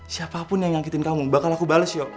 siapapun yang nyangkitin kamu bakal aku bales yo